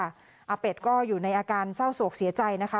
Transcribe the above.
อาเป็ดก็อยู่ในอาการเศร้าโศกเสียใจนะคะ